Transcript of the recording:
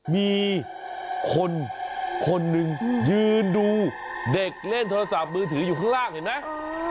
มีคนคนหนึ่งยืนดูเด็กเล่นโทรศัพท์มือถืออยู่ข้างล่างเห็นไหม